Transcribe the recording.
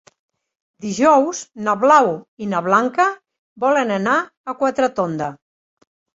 Dijous na Blau i na Blanca volen anar a Quatretonda.